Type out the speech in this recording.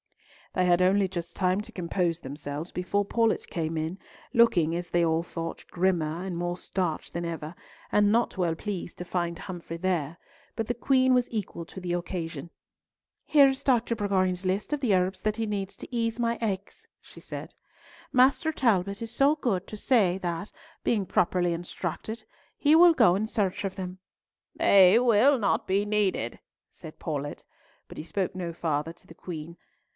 They had only just time to compose themselves before Paulett came in, looking, as they all thought, grimmer and more starched than ever, and not well pleased to find Humfrey there, but the Queen was equal to the occasion. "Here is Dr. Bourgoin's list of the herbs that he needs to ease my aches," she said. "Master Talbot is so good as to say that, being properly instructed, he will go in search of them." "They will not be needed," said Paulett, but he spoke no farther to the Queen.